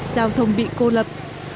giao thông bị cô lập